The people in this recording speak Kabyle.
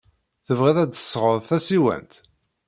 Tebɣiḍ ad d-tesɣeḍ tasiwant?